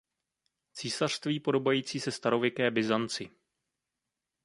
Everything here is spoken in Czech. Císařství podobající se starověké Byzanci.